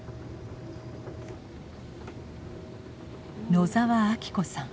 野澤明子さん